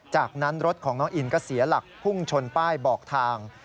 จากนั้นรถของน้องอินก็เสียหลักพุ่งชนป้ายบอกทาง